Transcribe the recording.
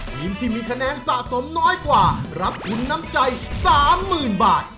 ทีมที่มีคะแนนสะสมน้อยกว่ารับทุนน้ำใจ๓๐๐๐บาท